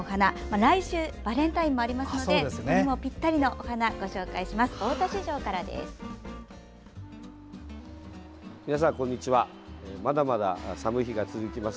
来週バレンタインもありますのでそれにもぴったりのお花をご紹介します。